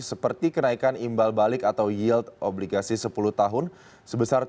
seperti kenaikan imbal balik atau yield obligasi sepuluh tahun sebesar tiga puluh